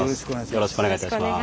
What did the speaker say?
よろしくお願いします。